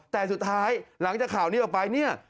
แต่สุดท้ายหลังจากข่าวนี้ออกไปเนี่ย